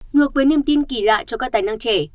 ngược với niềm tin kỳ lạ cho các tài năng trẻ